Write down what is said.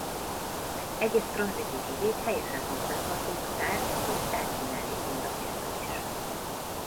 Egyes tranzitív igék helyesen használhatók tárgy vagy tárgyi mellékmondat nélkül is.